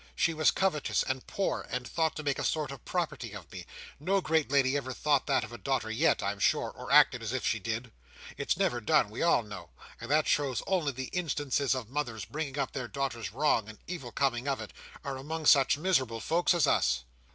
She was covetous and poor, and thought to make a sort of property of me. No great lady ever thought that of a daughter yet, I'm sure, or acted as if she did—it's never done, we all know—and that shows that the only instances of mothers bringing up their daughters wrong, and evil coming of it, are among such miserable folks as us."